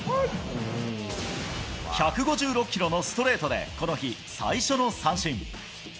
１５６キロのストレートでこの日最初の三振。